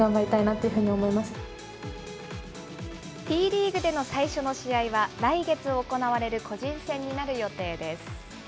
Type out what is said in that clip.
Ｔリーグでの最初の試合は、来月行われる個人戦になる予定です。